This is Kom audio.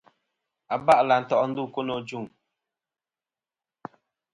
Aba'lɨ à nto' ndu ku no.